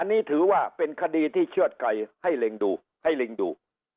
อันนี้ถือว่าเป็นคดีที่เชื่อดไก่ให้เล็งดูให้เล็งดู